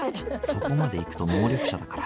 そこまでいくと能力者だから。